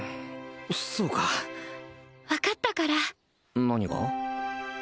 そうか分かったから何が？